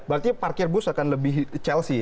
berarti parkir bus akan lebih chelsea